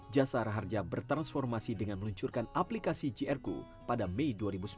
jasara harja bertransformasi dengan meluncurkan aplikasi grcu pada mei dua ribu sembilan belas